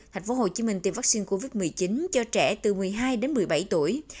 tp hcm tiêm vaccine covid một mươi chín cho trẻ từ một mươi hai đến một mươi bảy tuổi